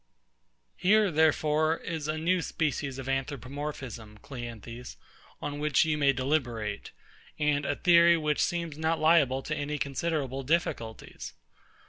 Here, therefore, is a new species of Anthropomorphism, CLEANTHES, on which you may deliberate; and a theory which seems not liable to any considerable difficulties.